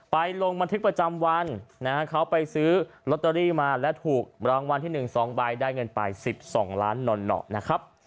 ลงบันทึกประจำวันนะฮะเขาไปซื้อลอตเตอรี่มาและถูกรางวัลที่๑๒ใบได้เงินไป๑๒ล้านหน่อนะครับ